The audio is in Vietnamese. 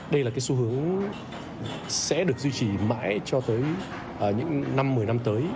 đây là cái xu hướng sẽ được duy trì mãi cho tới những năm một mươi năm tới